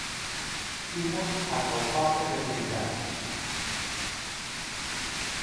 Imos ata o pazo de Meirás.